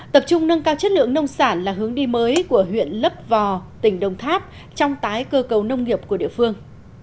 tập trung nâng cao chất lượng nông sản là hướng đi mới của huyện lấp vò tỉnh đồng tháp trong tái cơ cấu nông nghiệp của địa phương